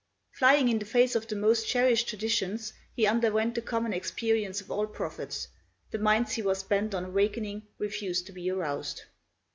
Flying in the face of the most cherished traditions, he underwent the common experience of all prophets: the minds he was bent on awakening refused to be aroused.